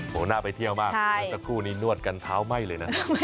โหน่าไปเที่ยวมากสักครู่นี้นวดกันท้าวไหม้เลยนะ